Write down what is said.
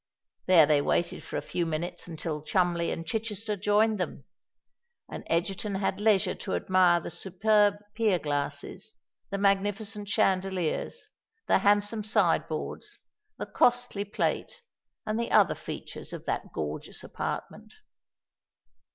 There they waited for a few minutes until Cholmondeley and Chichester joined them; and Egerton had leisure to admire the superb pier glasses, the magnificent chandeliers, the handsome side boards, the costly plate, and the other features of that gorgeous apartment.